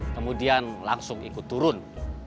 kemudian langsung ikut turun